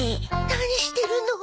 何してるの？